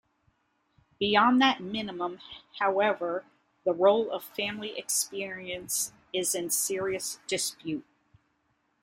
Beyond that minimum, however, the role of family experience is in serious dispute.